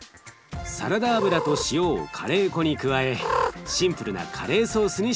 サラダ油と塩をカレー粉に加えシンプルなカレーソースにします。